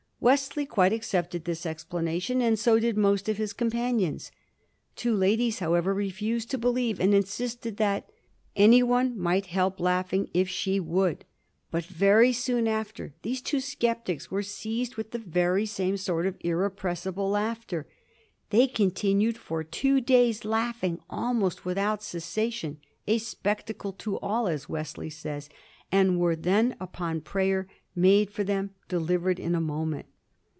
Wesley quite accepted this explanation, and so did most of his companions. Two ladies, however, refused to believe, and insisted that '^ any one might help laughing if she would." But very soon after these two sceptics were seized with the very same sort of iiTepressible laughter. They con tinued for two days laughing almost without cessation, "a spectacle to all," as Wesley tells, "and were then upon prayer made for them delivered in a moment."